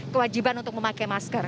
kewajiban untuk memakai masker